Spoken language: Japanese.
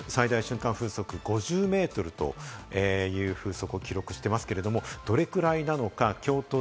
今回、最大瞬間風速５０メートルという風速を記録していますけれども、どれぐらいなのか？